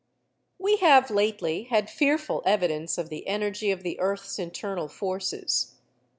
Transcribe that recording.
_ We have lately had fearful evidence of the energy of the earth's internal forces.